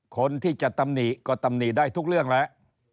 คนที่จะตำหนิก็ตำหนิได้ทุกเรื่องแล้ว